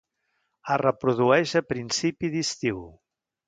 Es reprodueix a principi d'estiu.